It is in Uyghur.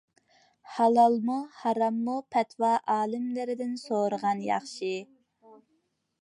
ھالالمۇ، ھاراممۇ پەتىۋا ئالىملىرىدىن سورىغان ياخشى.